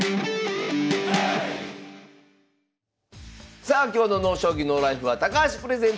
さあ今日の「ＮＯ将棋ＮＯＬＩＦＥ」は「高橋プレゼンツ！